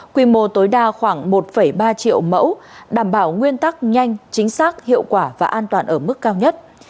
quy mô tối đa khoảng một ba triệu mẫu đảm bảo nguyên tắc nhanh chính xác hiệu quả và an toàn ở mức cao nhất